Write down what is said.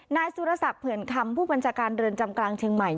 นายสุรศักดิ์เผื่อนคำผู้บัญชาการเรือนจำกลางเชียงใหม่